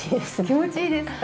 気持ちいいですか？